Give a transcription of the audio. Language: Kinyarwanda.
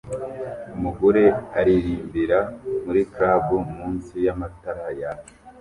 Umugore aririmbira muri club munsi yamatara yaka